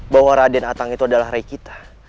bahwa raden atang itu adalah rai kita